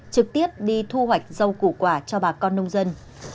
trực tiếp đi thu hoạch rau củ quả cho bà con nông dân